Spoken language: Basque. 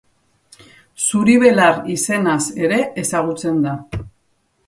Zuri-belar izenaz ere ezagutzen da.